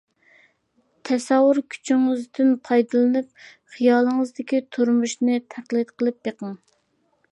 تەسەۋۋۇر كۈچىڭىزدىن پايدىلىنىپ خىيالىڭىزدىكى تۇرمۇشنى تەقلىد قىلىپ بېقىڭ.